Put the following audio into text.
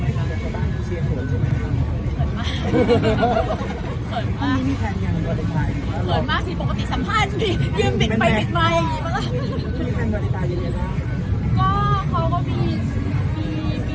เขินมากสิปรกติสัมภาษณ์นี่มันกลิ่นไป